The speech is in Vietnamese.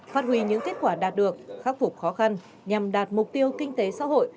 phát huy những kết quả đạt được khắc phục khó khăn nhằm đạt mục tiêu kinh tế xã hội